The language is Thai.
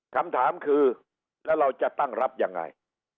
คำถามคือแล้วเราจะตั้งรับยังไง